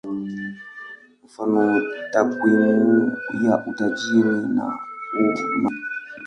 Mfano: takwimu ya utajiri na umaskini.